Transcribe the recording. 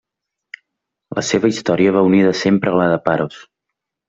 La seva història va unida sempre a la de Paros.